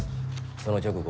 その直後